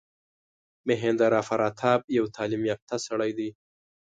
مهیندراپراتاپ یو تعلیم یافته سړی دی.